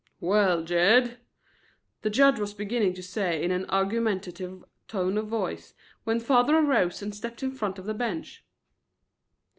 "Well, Jed," the judge was beginning to say in an argumentative tone of voice, when father arose and stepped in front of the bench.